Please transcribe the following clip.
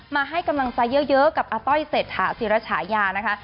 มาให้กำลังใจเยอะกับอาต้อยเศรษฐาศิรฉายานะคะ